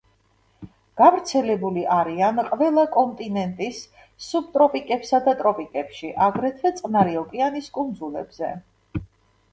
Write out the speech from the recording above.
გავრცელებული არიან ყველა კონტინენტის სუბტროპიკებსა და ტროპიკებში, აგრეთვე წყნარი ოკეანის კუნძულებზე.